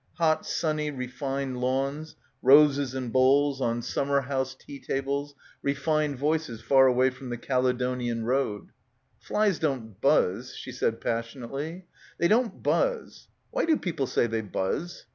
... Hot sunny refined lawns, roses in bowls on summerhouse tea tables, refined voices far away from the Caledonian Road. "Flies don't buzz" she said passionately. "They don't buzz. Why do people say they buzz?"